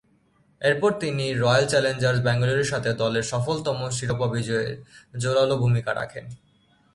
এরপর তিনি Royal Challengers ব্যাঙ্গালোরের সাথে দলের সফলতম শিরোপা বিজয়ে জোড়ালো ভূমিকা রাখেন।